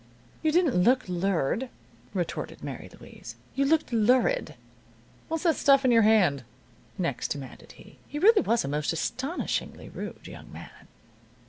"You didn't look lured," retorted Mary Louise. "You looked lurid." "What's that stuff in your hand?" next demanded he. He really was a most astonishingly rude young man.